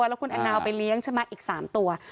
แล้วมันกลายเป็นข่าว